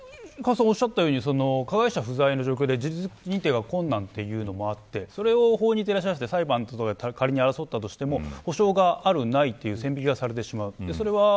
加害者不在の状況で事実認定は困難というのもあってそれを法に照らし合わせて裁判で争ったとしても補償がある、ないという線引きがされてしまう。